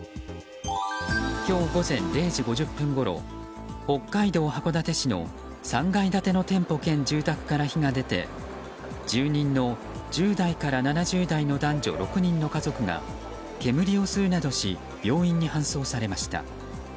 今日午前０時５０分ごろ北海道函館市の、３階建ての店舗兼住宅から火が出て住人の１０代から７０代の男女６人の家族が煙を吸うなどし病院に搬送されました。